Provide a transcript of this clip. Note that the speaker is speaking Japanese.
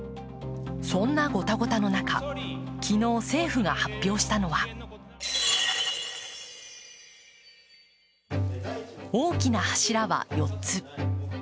そんなゴタゴタの中、昨日政府が発表したのは大きな柱は４つ。